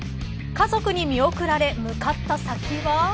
家族に見送られ向かった先は。